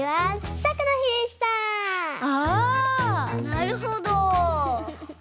なるほど。